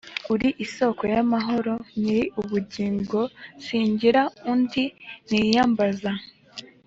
uri isoko yamahoro nyiri ubugingosimgira undi niyambaza